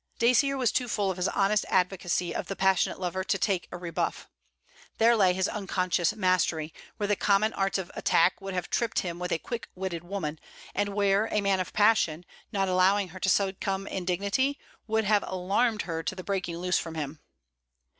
Dacier was too full of his honest advocacy of the passionate lover to take a rebuff. There lay his unconscious mastery, where the common arts of attack would have tripped him with a quick witted woman, and where a man of passion, not allowing her to succumb in dignity, would have alarmed her to the breaking loose from him.